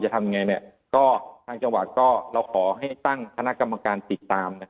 ทางจังหวัดขอตั้งขณะกรรมาการติดตาม